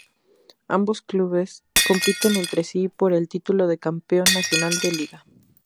Ambos clubes compiten entre sí por el título de campeón nacional de liga.